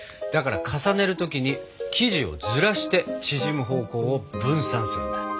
だから重ねる時に生地をずらして縮む方向を分散するんだ。